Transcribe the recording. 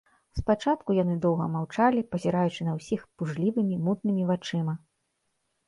Спачатку яны доўга маўчалі, пазіраючы на ўсіх пужлівымі, мутнымі вачыма.